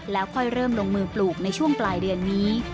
แล้วค่อยเริ่มลงมือปลูกในช่วงปลายเดือนนี้